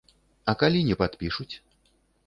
А калі не падпішуць?